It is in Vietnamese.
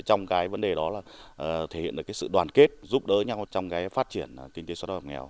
trong vấn đề đó là thể hiện sự đoàn kết giúp đỡ nhau trong phát triển